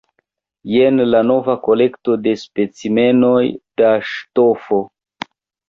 Jen la nova kolekto de specimenoj da ŝtofo.